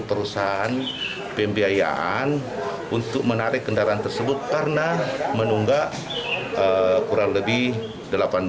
perusahaan pembiayaan untuk menarik kendaraan tersebut karena menunggak kurang lebih